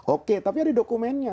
oke tapi ada dokumennya